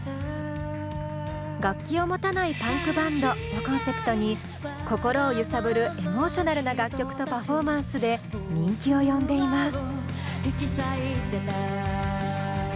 「楽器を持たないパンクバンド」をコンセプトに心を揺さぶるエモーショナルな楽曲とパフォーマンスで人気を呼んでいます。